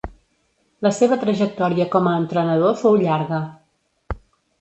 La seva trajectòria com a entrenador fou llarga.